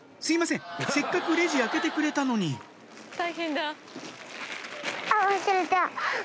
せっかくレジ開けてくれたのに大変だ。